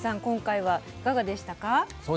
今回はいかがでしたか？